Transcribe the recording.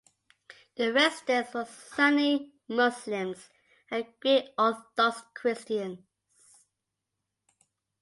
The residents were Sunni Muslims and Greek Orthodox Christians.